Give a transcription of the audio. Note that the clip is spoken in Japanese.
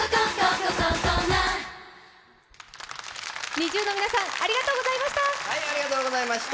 ＮｉｚｉＵの皆さんありがとうございました。